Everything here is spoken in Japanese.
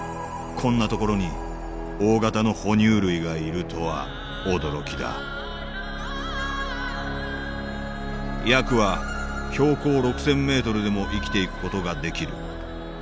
こんな所に大型の哺乳類がいるとは驚きだヤクは標高６０００メートルでも生きていく事ができる。